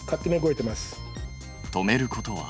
止めることは。